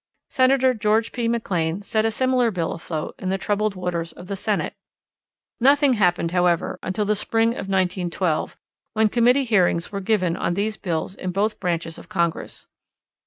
Senator George P. McLean set a similar bill afloat in the troubled waters of the Senate. Nothing happened, however, until the spring of 1912, when committee hearings were given on these bills in both branches of Congress.